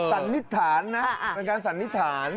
สันนิษฐานนะเป็นการสันนิษฐาน